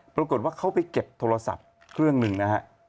ปรากฏว่าเขาไปเก็บโทรศัพท์เครื่องหนึ่งนะฮะ